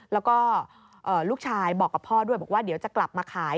แล้วก็ลูกชายบอกกับพ่อด้วยบอกว่าเดี๋ยวจะกลับมาขาย